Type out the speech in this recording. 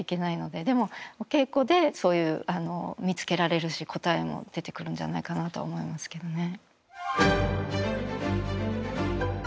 でもお稽古でそういう見つけられるし答えも出てくるんじゃないかなと思いますけどね。